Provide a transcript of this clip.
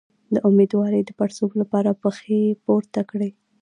د امیدوارۍ د پړسوب لپاره پښې پورته کړئ